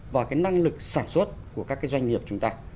và cái năng lực sản xuất của các cái doanh nghiệp chúng ta